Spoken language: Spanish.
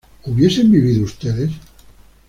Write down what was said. ¿hubiesen vivido ustedes?